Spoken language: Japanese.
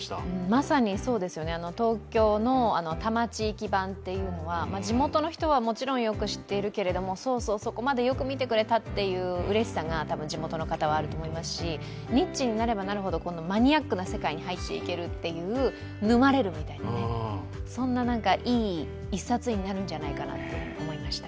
まさに東京の多摩地域版っていうのは地元の人はもちろんよく知っているけれどもそうそう、そこまでよく見てくれたっていううれしさが地元の方はあると思いますし、ニッチになればなるほどマニアックな世界に入っていけるっちえう沼れるみたいな、そんないい１冊になるんじゃないかなって思いました。